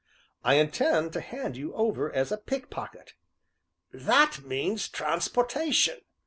"I intend to hand you over as a pickpocket." "That means 'Transportation'!"